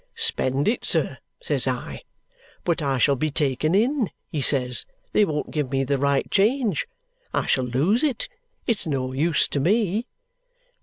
'Spend it, sir,' says I. 'But I shall be taken in,' he says, 'they won't give me the right change, I shall lose it, it's no use to me.'